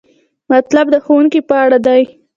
مطلب د ښوونکي په اړه دی.